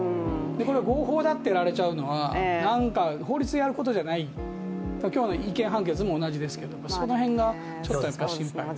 これは合法だって言われちゃうのはなんか法律がやることじゃない、今日の違憲判決もそうですけどその辺が心配です。